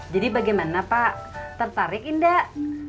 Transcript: jadi bagaimana pak tertarik indah